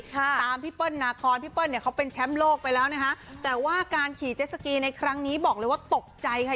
ตามพี่เปิ้ลนาคอนพี่เปิ้ลเนี่ยเขาเป็นแชมป์โลกไปแล้วนะคะแต่ว่าการขี่เจสสกีในครั้งนี้บอกเลยว่าตกใจค่ะ